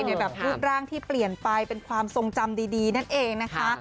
ในแบบรูปร่างที่เปลี่ยนไปเป็นความทรงจำดีนั่นเองนะคะ